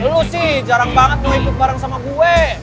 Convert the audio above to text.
dulu sih jarang banget mau ikut bareng sama gue